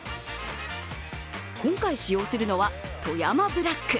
今回使用するのは、富山ブラック。